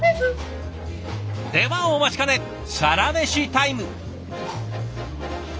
ではお待ちかねサラメシタイム。